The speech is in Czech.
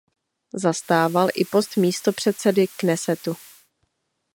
Zastával i post místopředsedy Knesetu.